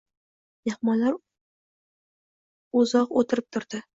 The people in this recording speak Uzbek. Mehmonlar o‘zoq o‘tirib turdi.